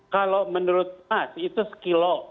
kalau menurut mas itu sekilo